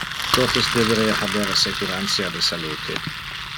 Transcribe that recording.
Totes deberea haber assecurantia de salute.